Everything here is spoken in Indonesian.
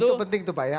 itu penting tuh pak ya